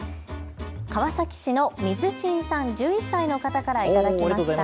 川崎市の水しんさん、１１歳の方から頂きました。